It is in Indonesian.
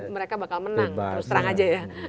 mereka bakal menang terus terang aja ya